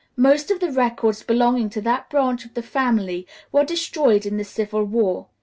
Most of the records belonging to that branch of the family were destroyed in the civil war.